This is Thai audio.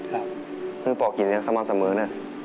เพื่อปลอกหยินเนื้อสม่ำเสมอเนอะ